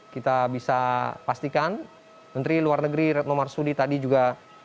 kita bisa pastikan menteri luar negeri retno marsudi tadi juga